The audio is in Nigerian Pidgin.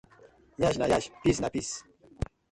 Yansh na yansh piss na piss.